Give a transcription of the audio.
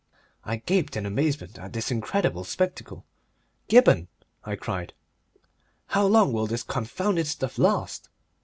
I gaped in amazement at this incredible spectacle. "Gibberne," I cried, "how long will this confounded stuff last?"